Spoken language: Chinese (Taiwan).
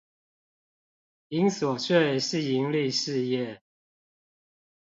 營所稅是營利事業